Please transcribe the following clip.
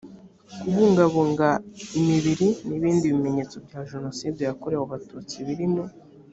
kubungabunga imibiri n ibindi bimenyetso bya jenoside yakorewe abatutsi biri mu